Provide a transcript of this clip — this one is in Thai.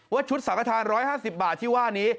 ชุดสังฆฐาน๑๕๐บาทที่ว่านี้